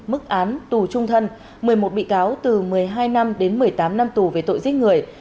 mức án tù trung thân một mươi một bị cáo từ một mươi hai năm đến một mươi tám năm tù về tội giết người